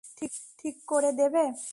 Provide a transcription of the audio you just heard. ঠিক করে দেবে?